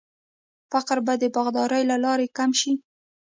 فقر به د باغدارۍ له لارې کم شي.